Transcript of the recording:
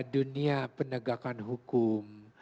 dunia penegakan hukum